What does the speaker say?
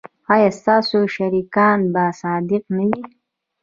ایا ستاسو شریکان به صادق نه وي؟